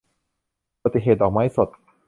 อุบัติเหตุ - ดอกไม้สด